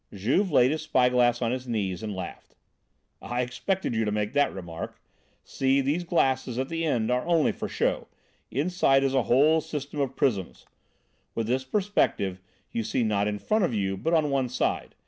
Juve laid his spy glass on his knees and laughed. "I expected you to make that remark. See, those glasses at the end are only for show, inside is a whole system of prisms. With this perspective you see not in front of you, but on one side.